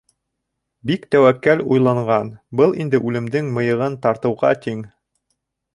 — Бик тәүәккәл уйланған, был инде үлемдең мыйығын тартыуға тиң.